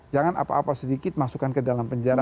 jangan apa apa sedikit masukkan ke dalam penjara